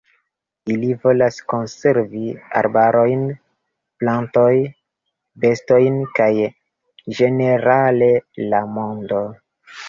Ili volas konservi arbarojn, plantoj, bestojn kaj ĝenerale la mondo.